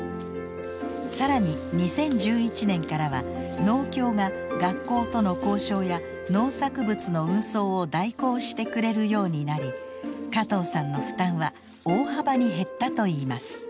更に２０１１年からは農協が学校との交渉や農作物の運送を代行してくれるようになり加藤さんの負担は大幅に減ったといいます。